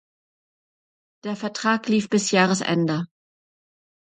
Der Vertrag lief bis Jahresende.